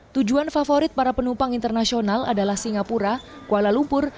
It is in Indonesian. tujuan favorit para penumpang internasional adalah singapura kuala lumpur